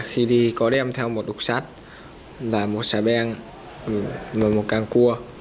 khi đi có đem theo một đục sắt và một xà beng và một căng cua